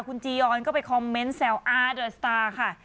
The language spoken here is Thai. คุณจียอนก็ไปคอมเมนต์แซวอาร์เดอร์สตาร์ค่ะ